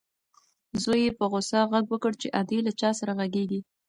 زوی یې په غوسه غږ وکړ چې ادې له چا سره غږېږې؟